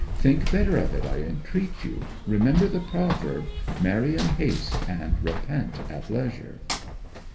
Think better of it, I entreat you! Remember the proverb, "Marry in haste and repent at leisure."'